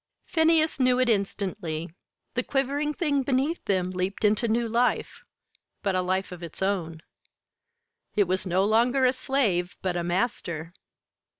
Phineas knew it instantly. The quivering thing beneath them leaped into new life but a life of its own. It was no longer a slave, but a master.